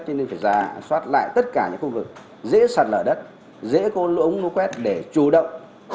cho nên phải ra soát lại tất cả những khu vực dễ sạt lở đất dễ có lũ ống lũ quét để chủ động